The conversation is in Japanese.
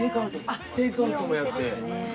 あっテイクアウトもやって。